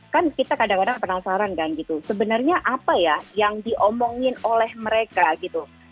kan kita kadang kadang penasaran kan gitu sebenarnya apa ya yang diomongin oleh mereka gitu